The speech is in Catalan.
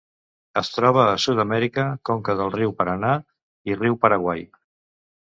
Es troba a Sud-amèrica: conca del riu Paranà i riu Paraguai.